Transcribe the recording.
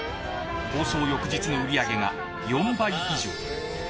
放送翌日の売り上げが４倍以上に。